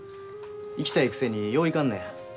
行きたいくせによう行かんのや。